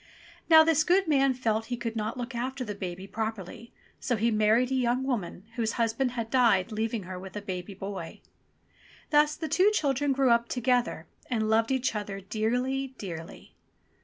Now this good man felt he could not look after the baby properly, so he married a young woman whose husband had died leaving her with a baby boy. Thus the two children grew up together, and loved each other dearly, dearly.